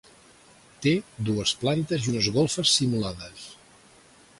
Té dues plantes i unes golfes simulades.